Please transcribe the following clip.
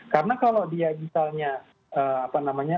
karena kalau dia misalnya